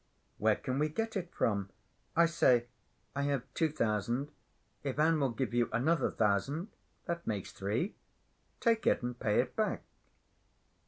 "Where can we get it from? I say, I have two thousand. Ivan will give you another thousand—that makes three. Take it and pay it back."